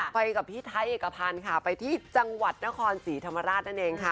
ไปกับพี่ไทยเอกพันธ์ค่ะไปที่จังหวัดนครศรีธรรมราชนั่นเองค่ะ